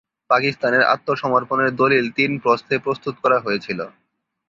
পাকিস্তানের আত্মসমর্পণের দলিল তিন প্রস্থে প্রস্তুত করা হয়েছিল।